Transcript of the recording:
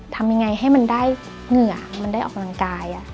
ทำยังไงให้มันได้เหงื่อมันได้ออกกำลังกาย